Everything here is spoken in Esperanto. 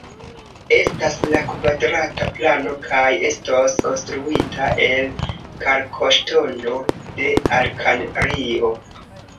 Estas de kvadrata plano kaj estos konstruita el kalkoŝtono de Alkario.